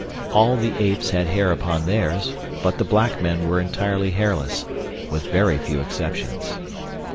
All the apes had hair upon theirs but the black men were entirely hairless, with very few exceptions.